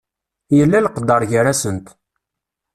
Yella leqder gar-asent.